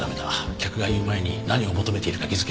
客が言う前に何を求めているか気づけ。